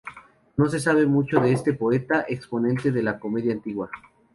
No se sabe mucho de este poeta, exponente de la Comedia antigua.